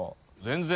全然。